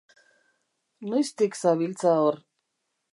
Noiztik zabiltza hor?